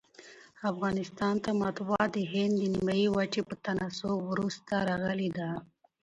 افغانستان ته مطبعه دهند د نیمي وچي په تناسب وروسته راغلې ده.